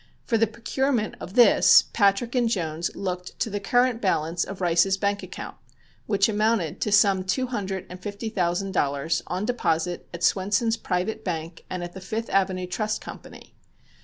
For the procurement of this Patrick and Jones looked to the current balance of Rice's bank account, which amounted to some two hundred and fifty thousand dollars on deposit at Swenson's private bank and at the Fifth Avenue Trust Company.